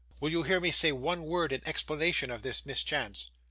Will you hear me say one word, in explanation of this mischance?